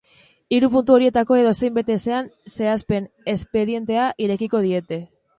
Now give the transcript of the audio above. Hiru puntu horietako edozein bete ezean, zehapen-espedientea irekiko diete.